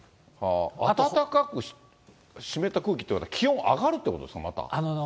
暖かく湿った空気っていうことは、気温上がるということです